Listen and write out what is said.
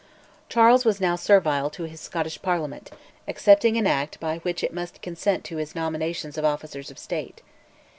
Charles was now servile to his Scottish Parliament, accepting an Act by which it must consent to his nominations of officers of State.